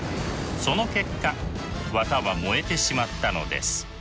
その結果綿は燃えてしまったのです。